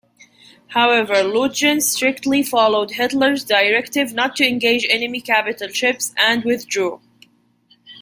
However, Lutjens strictly followed Hitler's directive not to engage enemy capital ships, and withdrew.